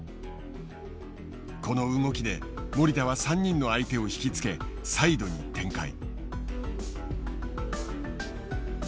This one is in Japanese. この動きで守田は３人の相手を引き付けサイドに展開。